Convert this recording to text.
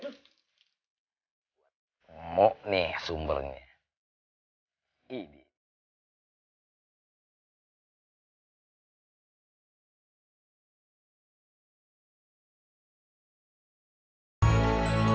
sampai jumpa di video selanjutnya